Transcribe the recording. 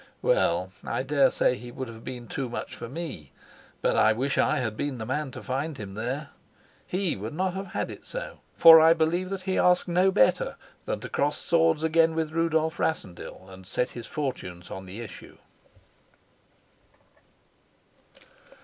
Well, I daresay he would have been too much for me, but I wish I had been the man to find him there. He would not have had it so; for I believe that he asked no better than to cross swords again with Rudolf Rassendyll and set his fortunes on the issue.